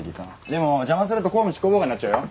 でも邪魔すると公務執行妨害になっちゃうよ。